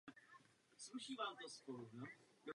Částečně se zachovaly její listy z vězení.